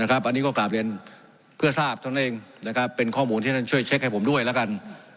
อันนี้ก็กราบเรียนเพื่อทราบเท่านั้นเองเป็นข้อมูลที่ท่านช่วยเช็คให้ผมด้วยแล้วกัน